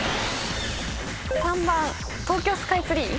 ３番東京スカイツリー？